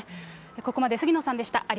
ここまで杉野さんでした。